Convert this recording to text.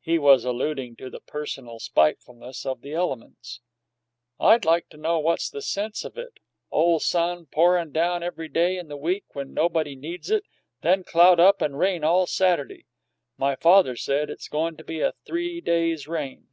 (He was alluding to the personal spitefulness of the elements.) "I'd like to know what's the sense of it ole sun pourin' down every day in the week when nobody needs it, then cloud up and rain all Saturday! My father said it's goin' to be a three days' rain."